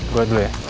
gue dulu ya